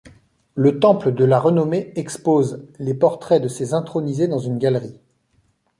Le temple de la renommée expose les portraits de ses intronisés dans une galerie.